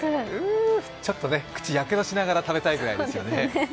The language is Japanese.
ちょっと、口をやけどしながら食べたいくらいですよね。